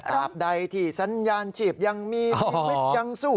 ตามใดที่สัญญาณชีพยังมีชีวิตยังสู้